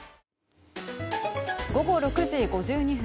午後６時５２分。